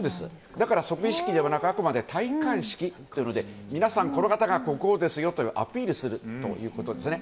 だから即位式ではなくあくまで戴冠式というので皆さん、この方が国王ですよとアピールするということですね。